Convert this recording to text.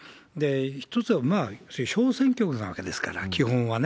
一つはまあ、小選挙なわけですから、基本はね。